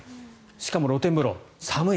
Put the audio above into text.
しかも露天風呂、寒い。